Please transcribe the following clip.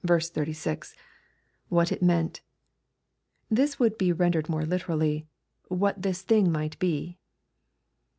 — [What it meant] This would be rendered more literally, " What this thing might be."